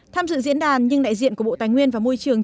tham dự diễn đàn nhưng đại diện của bộ tài nguyên và môi trường